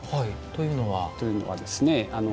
というのは？というのはですね